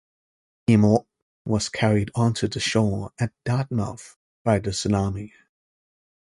"Imo" was carried onto the shore at Dartmouth by the tsunami.